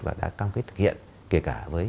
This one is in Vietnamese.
và đã cam kết thực hiện kể cả với